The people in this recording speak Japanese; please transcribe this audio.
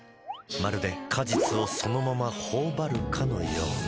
まるで果実をそのままほおばるかのような・・・